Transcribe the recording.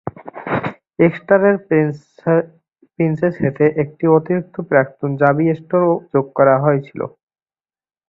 এক্সটারের প্রিন্সেসহেতে একটি অতিরিক্ত প্রাক্তন জাভি স্টোরও যোগ করা হয়েছিল।